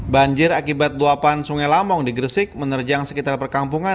banjir akibat luapan sungai lamong di gresik menerjang sekitar perkampungan